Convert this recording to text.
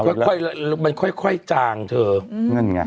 มันค่อยจางเธอ